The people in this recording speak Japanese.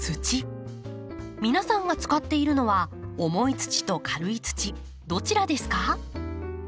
皆さんが使っているのは重い土と軽い土どちらですか？